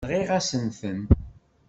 Nɣiɣ-asen-ten.